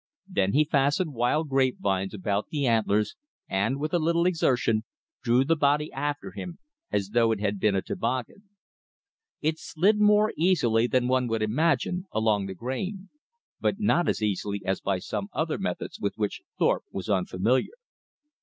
Then he fastened wild grape vines about the antlers, and, with a little exertion drew the body after him as though it had been a toboggan. It slid more easily than one would imagine, along the grain; but not as easily as by some other methods with which Thorpe was unfamiliar.